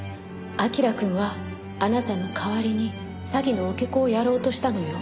彬くんはあなたの代わりに詐欺の受け子をやろうとしたのよ。